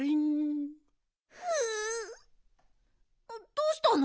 どうしたの？